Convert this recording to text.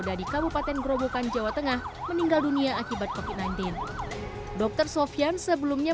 dari kabupaten gerobokan jawa tengah meninggal dunia akibat covid sembilan belas dokter sofian sebelumnya